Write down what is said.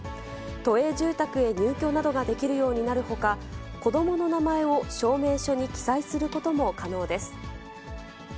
都営住宅へ入居などができるようになるほか、子どもの名前を証明書に記載することも可能です。